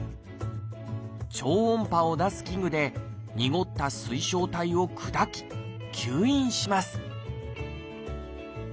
超音波を出す器具でにごった水晶体を砕き吸引します